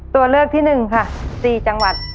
ตัวเลือกที่๑ค่ะ๔จังหวัด